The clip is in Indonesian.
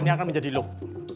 ini akan menjadi loop